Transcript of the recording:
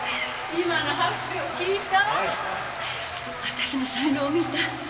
私の才能を見た？